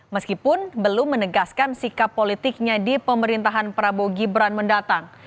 meskipun belum menegaskan sikap politiknya di pemerintahan prabowo gibran mendatang